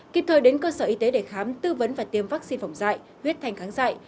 kịp thời đến cơ sở y tế để khám tư vấn và tiêm vaccine phòng dạy huyết thanh kháng dại